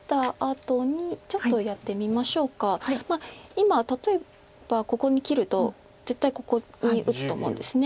今例えばここに切ると絶対ここに打つと思うんです。